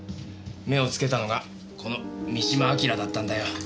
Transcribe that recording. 目をつけたのがこの三島章だったんだよ。